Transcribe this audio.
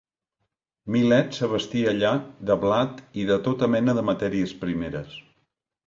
Milet s'abastia allà de blat i de tota mena de matèries primeres.